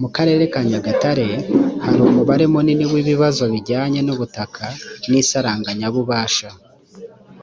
mu karere ka nyagatare hari umubare munini w ibibazo bijyanye n ubutaka n isaranganya bubasha